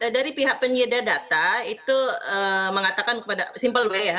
dari pihak penyeda data itu mengatakan kepada simpleway ya